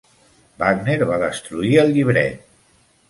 Wagner va destruir el llibret.